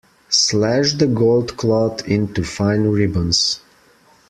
Slash the gold cloth into fine ribbons.